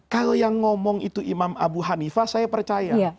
kalau yang ngomong itu imam abu hanifah saya percaya